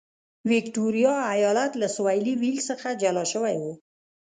ویکټوریا ایالت له سوېلي ویلز څخه جلا شوی و.